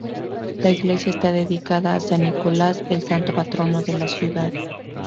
La iglesia está dedicada a San Nicolás, el santo patrono de la ciudad.